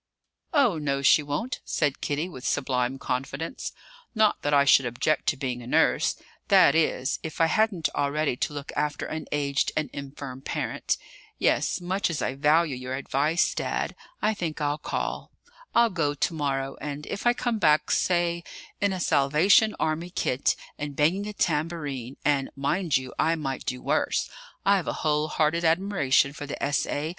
"Oh no, she won't," said Kitty, with sublime confidence; "not that I should object to being a nurse that is, if I hadn't already to look after an aged and infirm parent. Yes; much as I value your advice, Dad, I think I'll call. I'll go to morrow; and if I come back, say, in a Salvation Army kit, and banging a tambourine and, mind you! I might do worse: I've a whole hearted admiration for the S.A.